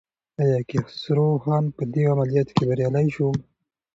ایا کیخسرو خان په دې عملیاتو کې بریالی شو؟